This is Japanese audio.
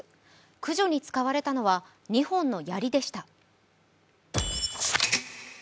駆除に使われたのは二本の槍でした。